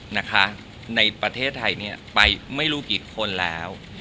นะคะในประเทศไทยเนี่ยไปไม่รู้กี่คนแล้ว